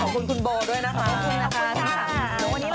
ขอบคุณคุณโบว์ด้วยนะครับ